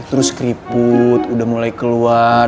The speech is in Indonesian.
terus keriput udah mulai keluar